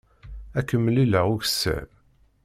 Ad k-mlileɣ ukessar.